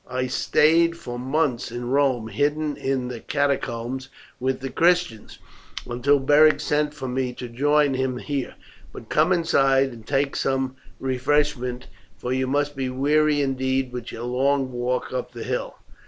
I stayed for months in Rome, hidden in the Catacombs with the Christians, until Beric sent for me to join him here; but come inside and take some refreshment, for you must be weary indeed with your long walk up the hill."